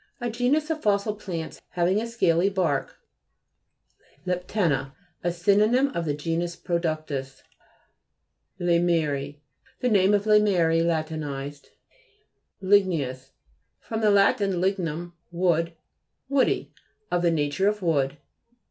A genus of fossil plants, having a scaly bark. LEPTE'NA A synonym of the genus productus (p. 30). LEYMERII The name Leymerie la tinized. LIAS (p. 54). LI'GNEOUS fr. lat. lignum, wood. Woody ; of the nature of wood.